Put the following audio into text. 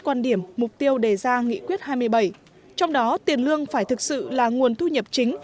quan điểm mục tiêu đề ra nghị quyết hai mươi bảy trong đó tiền lương phải thực sự là nguồn thu nhập chính